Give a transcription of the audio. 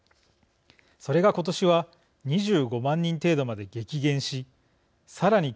それが今年は２５万人程度まで激減しさらに